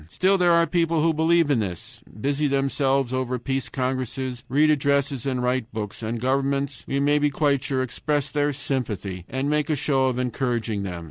Still there are people who believe in this, busy themselves over peace congresses, read addresses, and write books. And governments, we may be quite sure, express their sympathy and make a show of encouraging them.